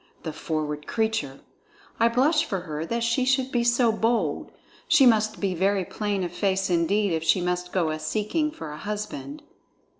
The forward creature! I blush for her that she should be so bold. She must be very plain of face indeed if she must go a seeking for a husband."